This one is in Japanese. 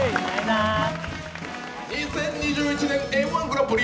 ２０２１年「Ｍ−１グランプリ」